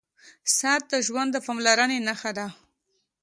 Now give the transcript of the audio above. • ساعت د ژوند د پاملرنې نښه ده.